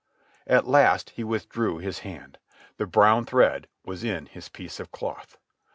At last he withdrew his hand. The brown thread was in his piece of cloth.